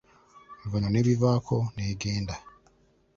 Oluvanyuma n'ebivaako n'egenda.